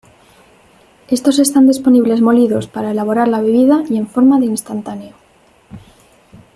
Estos están disponibles molidos para elaborar la bebida y en forma de "instantáneo".